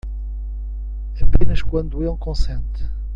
Apenas quando ele consente.